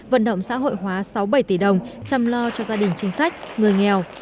vận động xã hội hóa sáu bảy tỷ đồng chăm lo cho gia đình chính sách người nghèo